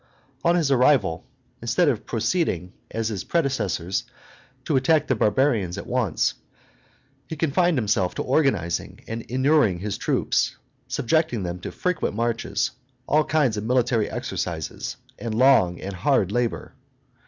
On his arrival, instead of proceeding, as his predecessors, to attack the barbarians at once, he confined himself to organizing and inuring his troops, subjecting them to frequent marches, all kinds of military exercises, and long and hard labor.